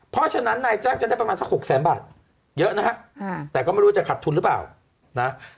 เพราะฉะนั้นนายจ้างจะได้ประมาณสัก๖แสนบาทเยอะนะฮะแต่ก็ไม่รู้ว่าจะขัดทุนหรือเปล่านะ